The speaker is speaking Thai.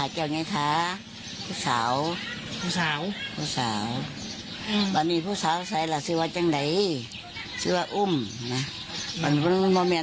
เชื่อว่าอุ๊ยนะ